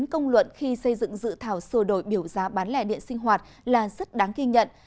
công luận khi xây dựng dự thảo sửa đổi biểu giá bán lẻ điện sinh hoạt là rất đáng ghi nhận